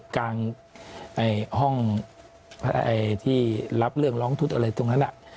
กลางห้องที่รับเรื่องร้องทุกข์อะไรตรงนั้น